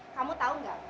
kamu tau gak